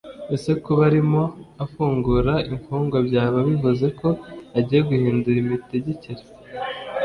Ese kuba arimo afungura imfungwa byaba bivuze ko agiye guhindura imitegekere